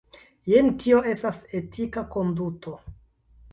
Jen tio estas etika konduto.